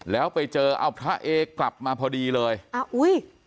แล้วไปเจอเอาพระเอกลับมาพอดีเลยอ้าวอุ้ย